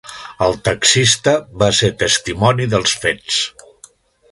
El taxista va ser testimoni dels fets.